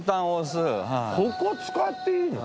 ここ使っていいの？